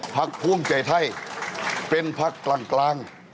ภักดิ์ภูมิใจไทยเป็นภักดิ์กลาง